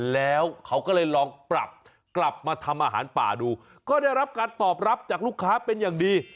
แล้วเขาก็เลยลองปรับกลับมาทำอาหารป่าดูก็ได้รับการตอบรับจากลูกค้าเป็นอย่างดี